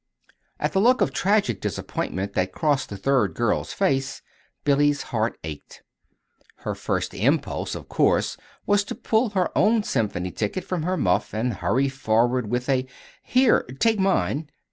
At the look of tragic disappointment that crossed the third girl's face, Billy's heart ached. Her first impulse, of course, was to pull her own symphony ticket from her muff and hurry forward with a "Here, take mine!"